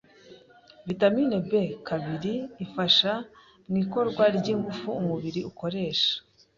Vitamini B kabiri ifasha mu ikorwa ry’ingufu umubiri ukoresha,